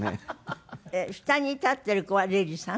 下に立っている子は礼二さん？